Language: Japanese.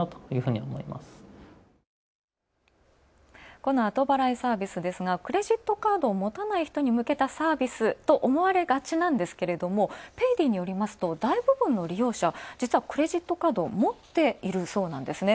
この後払いサービスですがクレジットカードを持たない人に向けたサービスと思われがちですがペイディによりますと、利用者、実はクレジットカードを持っているそうなんですね。